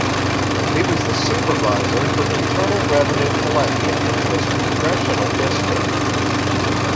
He was the supervisor for Internal Revenue collection in his congressional district.